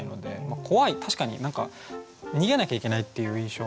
怖い確かに逃げなきゃいけないっていう印象は。